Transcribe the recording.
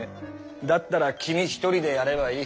だったら君一人でやればいい。